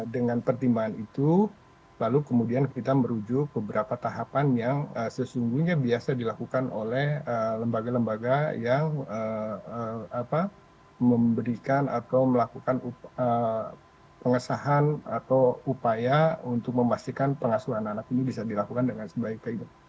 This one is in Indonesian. dengan pertimbangan itu lalu kemudian kita merujuk beberapa tahapan yang sesungguhnya biasa dilakukan oleh lembaga lembaga yang memberikan atau melakukan pengesahan atau upaya untuk memastikan pengasuhan anak ini bisa dilakukan dengan sebaik baiknya